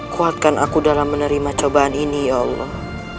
kuatkan aku dalam menerima cobaan ini ya allah